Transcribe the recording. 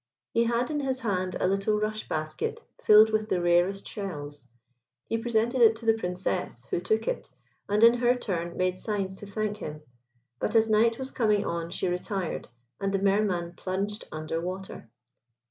He had in his hand a little rush basket filled with the rarest shells. He presented it to the Princess, who took it, and in her turn made signs to thank him; but as night was coming on she retired, and the Mer man plunged under water.